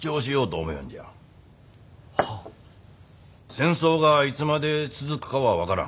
戦争がいつまで続くかは分からん。